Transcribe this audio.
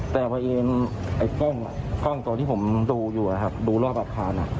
แต่พอเองกล้องตัวที่ผมดูอยู่นะครับดูรอบอักษรนะ